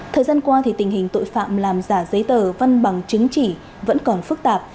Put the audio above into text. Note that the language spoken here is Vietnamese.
thời gian qua tình hình tội phạm làm giả giấy tờ văn bằng chứng chỉ vẫn còn phức tạp